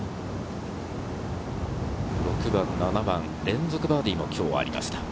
６番、７番で連続バーディーもありました。